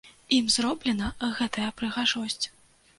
Ім зроблена гэтая прыгажосць.